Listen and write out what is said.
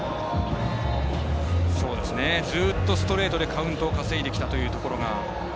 ずっとストレートでカウントを稼いできたというところが。